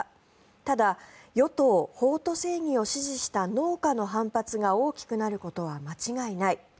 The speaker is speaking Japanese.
ただ、与党・法と正義を支持した農家の反発が大きくなることは間違いない。